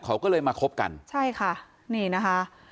เขาก็เลยมาคบกันใช่ค่ะนี่นะคะ